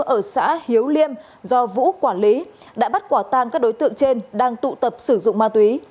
ở xã hiếu liêm do vũ quản lý đã bắt quả tang các đối tượng trên đang tụ tập sử dụng ma túy